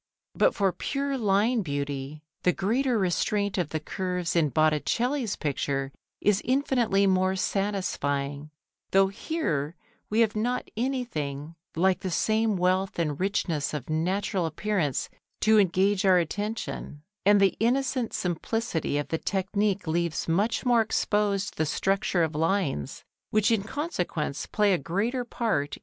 But for pure line beauty the greater restraint of the curves in Botticelli's picture is infinitely more satisfying, though here we have not anything like the same wealth and richness of natural appearance to engage our attention, and the innocent simplicity of the technique leaves much more exposed the structure of lines, which in consequence play a greater part in the effect of the picture.